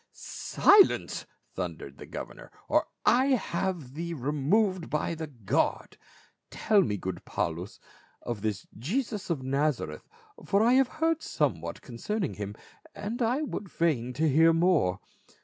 " Silence !" thundered the governor, " or I have thee removed by the guard. Tell me, good Paul us, of this Jesus of Nazareth, for I have heard somewhat con cerning him, and I would fain hear more."